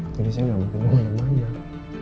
jadi saya gak mungkin menang